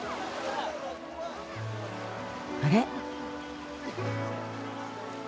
あれ？